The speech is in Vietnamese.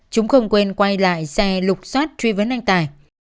chúng không quên quay lại xe lục xoát truy vấn anh tài